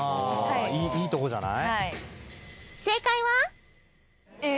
いいとこじゃない？